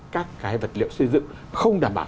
các cái vật liệu xây dựng không đảm bảo